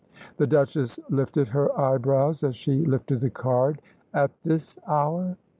The Duchess lifted her eyebrows as she lifted the card. "At this hour?"